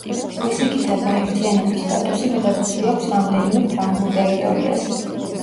ზღვისიქითა გაერთიანების სტატუსი მიღებული აქვს, რამდენიმე ფრანგულ ტერიტორიას.